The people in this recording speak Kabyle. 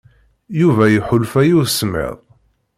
Yuba iḥulfa i usemmid.